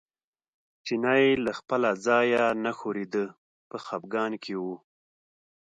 چینی له خپل ځایه نه ښورېده په خپګان کې و.